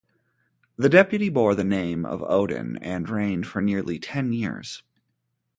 The deputy bore the name of Odin and reigned for nearly ten years.